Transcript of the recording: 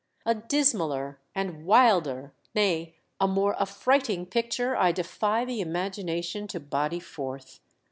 A dismaller and wilder, nay, a more affrighting picture I defy the imagination to body forth.